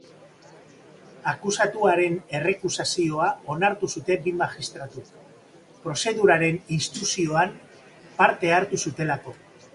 Akusatuaren errekusazioa onartu zuten bi magistratuk, prozeduraren instrukzioan parte hartu zutelako.